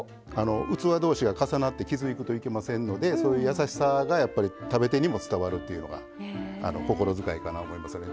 器同士が重なって傷つくといけませんのでそういう優しさがやっぱり食べ手にも伝わるというのが心遣いかなと思いますよね。